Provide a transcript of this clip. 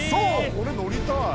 これ乗りたい！